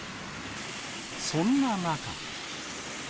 そんな中。